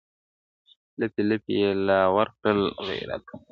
لپی لپی یې لا ورکړل غیرانونه-